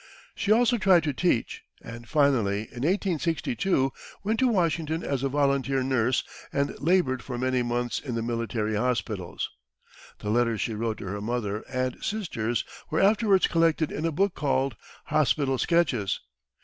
She also tried to teach, and finally, in 1862, went to Washington as a volunteer nurse and labored for many months in the military hospitals. The letters she wrote to her mother and sisters were afterwards collected in a book called "Hospital Sketches."